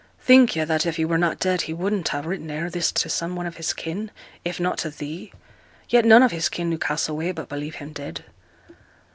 'Think yo' that if he were not dead he wouldn't ha' written ere this to some one of his kin, if not to thee? Yet none of his folk Newcassel way but believe him dead.'